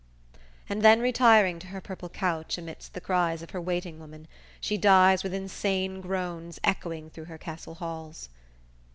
"_ And then retiring to her purple couch, amidst the cries of her waiting woman, she dies with insane groans echoing through her castle halls.